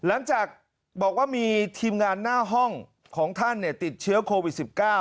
หลังจากบอกว่ามีทีมงานหน้าห้องของท่านติดเชื้อโควิด๑๙